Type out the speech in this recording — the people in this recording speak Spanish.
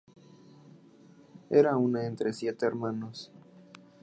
Era una entre siete hermanos.